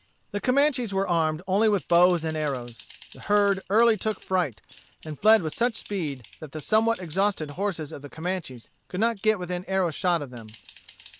The Comanches were armed only with bows and arrows. The herd early took fright, and fled with such speed that the somewhat exhausted horses of the Comanches could not get within arrow shot of them.